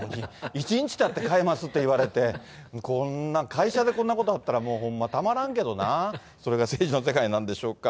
１日たってかえますっていって、こんな、会社でこんなことあったら、もうほんまたまらんけどな、それが政治の世界なんでしょうか。